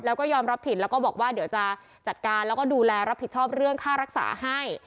แล้วก็ยอมรับผิดแล้วก็บอกว่าเดี๋ยวจะจัดการแล้วก็ดูแลรับผิดชอบเรื่องค่ารักษาให้